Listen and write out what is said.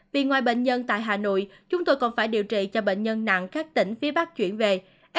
vì ngoài bệnh nhân tại hà nội chúng tôi còn phải điều trị cho bệnh nhân nặng các tỉnh phía bắc chuyển về